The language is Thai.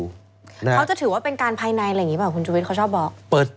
เขาจะถือว่าเป็นการภายในอะไรอย่างนี้เปล่าคุณชุวิตเขาชอบบอก